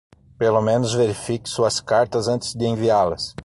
Pelo menos, verifique suas cartas antes de enviá-las.